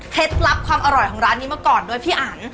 ลับความอร่อยของร้านนี้มาก่อนด้วยพี่อัน